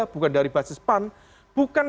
bukan dari basis pan bukan